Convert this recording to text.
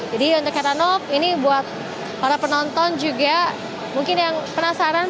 jadi untuk herranoff ini buat para penonton juga mungkin yang penasaran